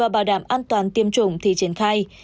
bảo đảm an toàn tiêm trùng thì triển khai